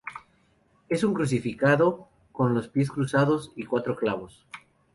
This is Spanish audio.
Es un crucificado con los pies cruzados y cuatro clavos.